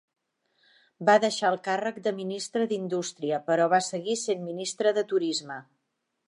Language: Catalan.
Va deixar el càrrec de ministre d'indústria, però va seguir sent ministre de turisme.